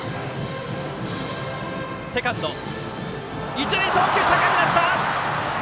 一塁送球、高くなった！